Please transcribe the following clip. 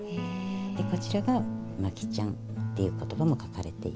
こちらが「牧チャン」っていう言葉も書かれていて。